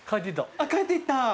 あっ帰っていった。